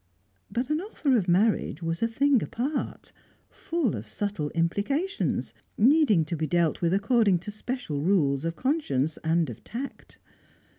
But an offer of marriage was a thing apart, full of subtle implications, needing to be dealt with according to special rules of conscience and of tact.